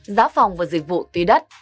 giá phòng và dịch vụ tùy đắt